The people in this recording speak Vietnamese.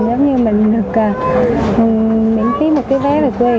giống như mình được miễn phí một cái vé về quê